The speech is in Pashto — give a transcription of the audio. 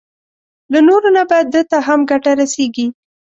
له نورو نه به ده ته هم ګټه رسېږي.